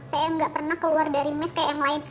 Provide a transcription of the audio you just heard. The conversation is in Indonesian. saya nggak pernah keluar dari mes kayak yang lain